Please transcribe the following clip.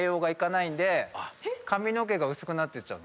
髪の毛が薄くなってっちゃう。